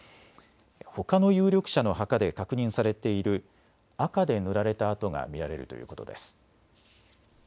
ほかの有力者の墓で確認されている赤で塗られた跡が見られるということです。